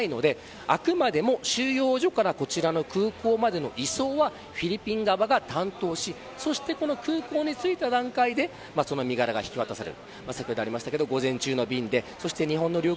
そういった可能性がゼロではないのであくまでも収容所からこちらの空港までの移送はフィリピン側が担当しそして空港に着いた段階で身柄が引き渡される。